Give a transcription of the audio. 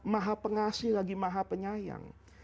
maha pengasih lagi maha penyayang